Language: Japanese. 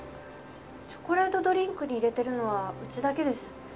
チョコレートドリンクに入れてるのはうちだけです。